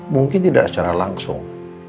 mungkin tidak secara langsung